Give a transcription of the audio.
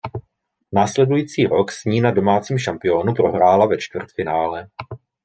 Následující rok s ní na domácím šampionátu prohrála ve čtvrtfinále.